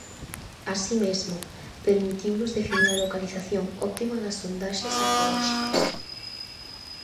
Así mesmo, permitiunos definir a localización óptima das sondaxes arqueolóxicas.